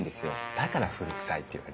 だから古くさいって言われ。